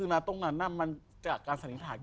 น่ะมันก็จากการสันิทา